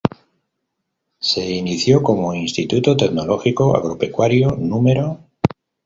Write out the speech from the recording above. Se inició como Instituto Tecnológico Agropecuario No.